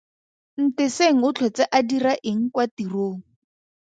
Nteseng o tlhotse a dira eng kwa tirong?